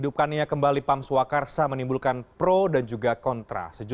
pam sua karsa